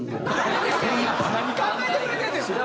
何考えてくれてんですか！